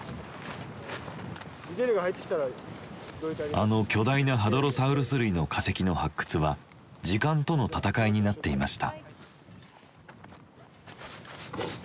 あの巨大なハドロサウルス類の化石の発掘は時間との闘いになっていました。